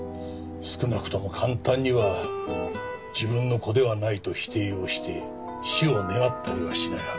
少なくとも簡単には自分の子ではないと否定をして死を願ったりはしないはずです。